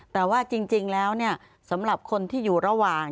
แต่ว่าจริงแล้วสำหรับคนที่อยู่ระหว่าง